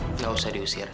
tidak usah diusir